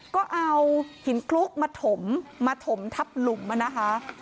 ก็เอาหินคลุกมาถมมาถมทับหลุมนะคะ